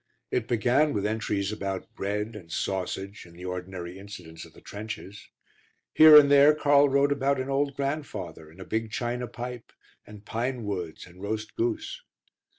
It began with entries about bread and sausage and the ordinary incidents of the trenches; here and there Karl wrote about an old grandfather, and a big china pipe, and pinewoods and roast goose.